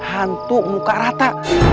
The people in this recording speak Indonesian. hantu muka rata